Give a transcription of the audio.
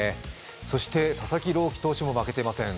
そして佐々木朗希投手も負けていません。